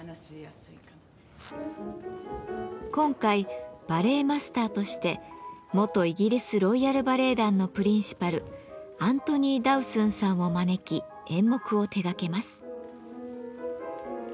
今回バレエマスターとして元イギリスロイヤルバレエ団のプリンシパルアントニー・ダウスンさんを招き演目を手がけます。